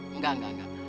enggak enggak enggak